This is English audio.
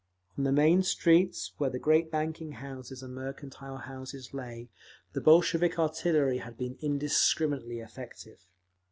On the main streets, where the great banking houses and mercantile houses lay, the Bolshevik artillery had been indiscriminately effective.